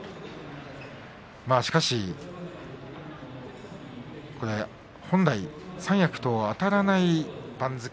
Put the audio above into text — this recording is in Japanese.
しかし本来三役とはあたらない番付。